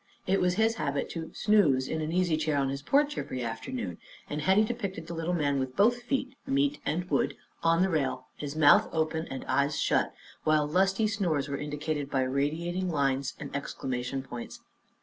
It was his habit to "snooze" in an easy chair on his porch every afternoon, and Hetty depicted the little man with both feet meat and wood on the rail, his mouth open and eyes shut, while lusty snores were indicated by radiating lines and exclamation points.